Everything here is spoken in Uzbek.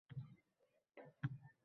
Shlyapangiz judayam antiqa ekan-a?